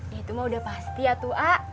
ya itu mah udah pasti ya tua